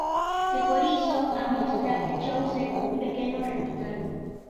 E por iso, a mostra pechouse cun pequeno recital.